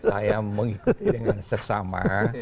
saya mengikuti dengan seksama